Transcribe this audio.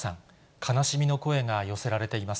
悲しみの声が寄せられています。